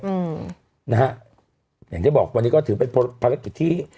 อืมนะฮะอย่างที่บอกวันนี้ก็ถือเป็นภารกิจที่